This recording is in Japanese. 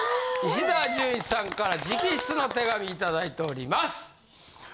石田純一さんから直筆の手紙頂いております。